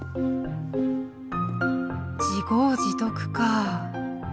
自業自得かぁ。